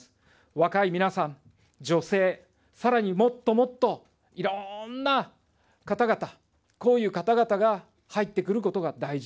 若い皆さん、女性、さらにもっともっといろんな方々、こういう方々が入ってくることが大事。